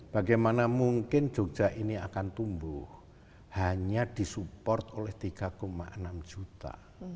bagaimana mungkin yogyakarta ini akan tumbuh hanya di support oleh tiga enam juta